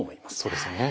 そうですよね。